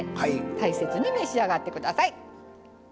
大切に召し上がって下さい。